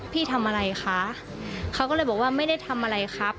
พี่ทำอะไรคะเขาก็เลยบอกว่าไม่ได้ทำอะไรครับ